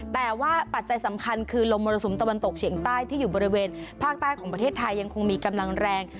แต่ว่าปัจจัยสำคัญคือลมมรสุมตะวันตกเฉียงใต้ที่อยู่บริเวณภาคใต้ของประเทศไทยยังคงมีกำลังแรง